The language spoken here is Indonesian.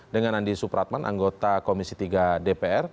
dengan andi supratman anggota komisi tiga dpr